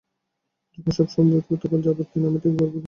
যখন সময় বুঝব তখন যাবার দিন আমিই ঠিক করে দেব।